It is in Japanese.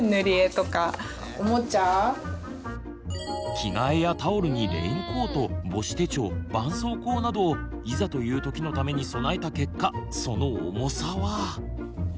着替えやタオルにレインコート母子手帳ばんそうこうなどいざという時のために備えた結果その重さは。